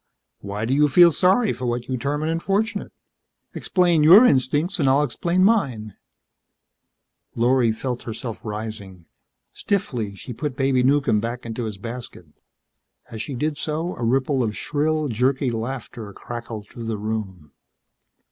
Why do you feel sorry for what you term an unfortunate? Explain your instincts and I'll explain mine." Lorry felt herself rising. Stiffly, she put Baby Newcomb back into his basket. As she did so, a ripple of shrill, jerky laughter crackled through the room.